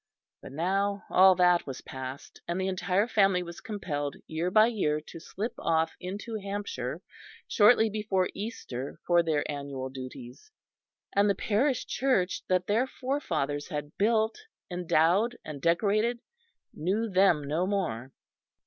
But now all that was past, and the entire family was compelled year by year to slip off into Hampshire shortly before Easter for their annual duties, and the parish church that their forefathers had built, endowed and decorated, knew them no more.